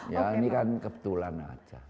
ya ini kan kebetulan aja